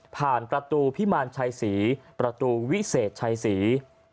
ประตูพิมารชัยศรีประตูวิเศษชัยศรี